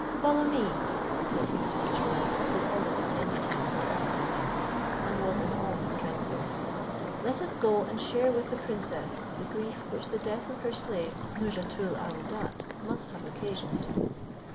"Follow me," said he to Mesrour, who always attended him wherever he went, and was in all his councils, "let us go and share with the princess the grief which the death of her slave Nouzhatoul aouadat must have occasioned."